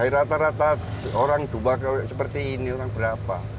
rata rata orang dua seperti ini orang berapa